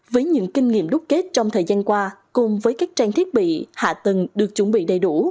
với những kinh nghiệm đúc kết trong thời gian qua cùng với các trang thiết bị hạ tầng được chuẩn bị đầy đủ